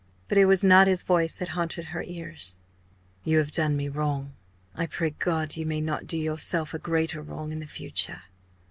But it was not his voice that haunted her ears. "_You have done me wrong I pray God you may not do yourself a greater wrong in the future!